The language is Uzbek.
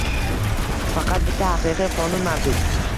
Faqat bitta haqiqiy qonun mavjud.